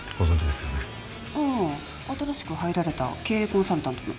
ああ新しく入られた経営コンサルタントの？